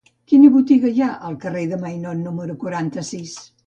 Quina botiga hi ha al carrer de Maignon número quaranta-sis?